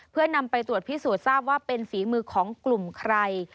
เพื่อนำไปตรวจพิสูจน์ทราบว่าเป็นฝีมือของกลุ่มใคร